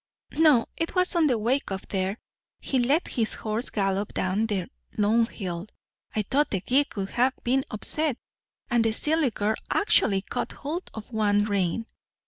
No, it was on the way up there. He let his horse gallop down the long hill I thought the gig would have been upset and the silly girl actually caught hold of one rein."